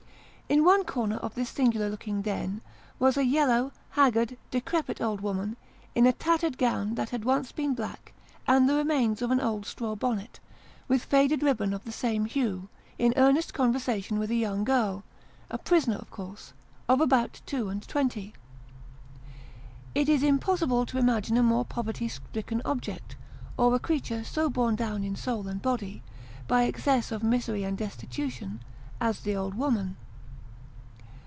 In one corner of this singular looking den, was a yellow, haggard, decrepit old woman, in a tattered gown that had once been black, and the remains of an old straw bonnet, with faded ribbon of the same hue, in earnest conversa tion with a young girl a prisoner, of course of about two and twenty. It is impossible to imagine a more poverty stricken object, or a creature so borne down in soul and body, by excess of misery and destitution as the old woman.